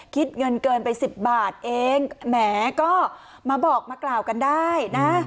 คิดเงินเกินไปสิบบาทเองแหมก็มาบอกมากล่าวกันได้นะ